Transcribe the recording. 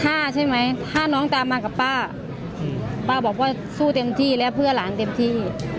ถ้าใช่ไหมถ้าน้องตามมากับป้าป้าบอกว่าสู้เต็มที่และเพื่อหลานเต็มที่